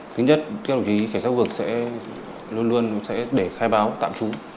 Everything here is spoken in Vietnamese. thứ nhất các đồng chí cảnh sát khu vực sẽ luôn luôn để khai báo tạm trú